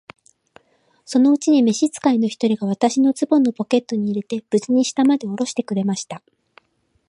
そのうちに召使の一人が、私をズボンのポケットに入れて、無事に下までおろしてくれました。